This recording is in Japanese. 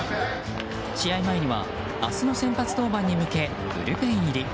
試合前には明日の先発登板に向けブルペン入り。